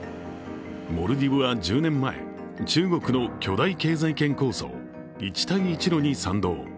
モルディブは１０年前、中国の巨大経済圏構想一帯一路に賛同。